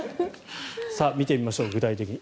見てみましょう、具体的に。